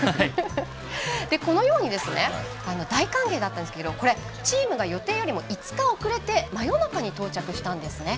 このようにですね大歓迎だったんですけどこれチームが予定よりも５日遅れて真夜中に到着したんですね。